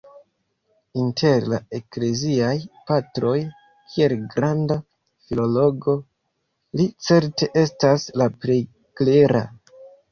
Inter la Ekleziaj Patroj, kiel granda filologo, li certe estas la plej klera.